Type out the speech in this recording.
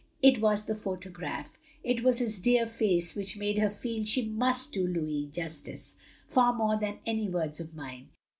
It was the photograph — ^it was his dear face which made her feel she must do Louis justice, far more than any words of mine.